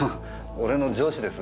俺の上司です。